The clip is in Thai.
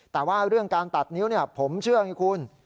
แต่ว่าเรื่องการตัดนิ้วผมเชื่อไงคุณ